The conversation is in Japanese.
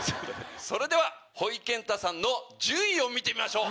それではほいけんたさんの順位を見てみましょう。